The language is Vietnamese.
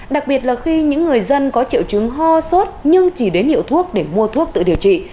đặc biệt là khi những người dân có triệu chứng ho sốt nhưng chỉ đến hiệu thuốc để mua thuốc tự điều trị